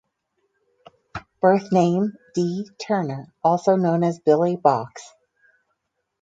Birth name D. Turner, also known as Billy Box.